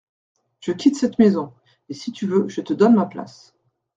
Je quitte cette maison, et, si tu veux, je te donne ma place.